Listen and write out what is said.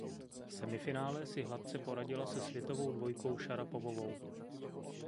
V semifinále si hladce poradila se světovou dvojkou Šarapovovou.